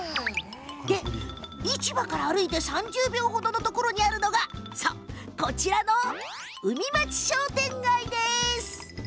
市場から歩いて３０秒程のところにあるのがこちらの、うみまち商店街！